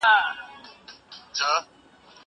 هغه وويل چي کار مهم دی!